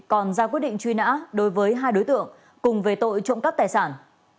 còn ra quyết định truy nã đối với hai đối tượng cùng về tội trộm cắp tài sản